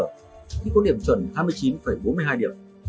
khi có điểm chuẩn hai mươi chín bốn mươi hai điểm